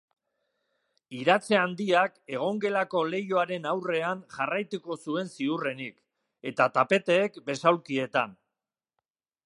Iratze handiak egongelako leihoaren aurrean jarraituko zuen ziurrenik, eta tapeteek besaulkietan.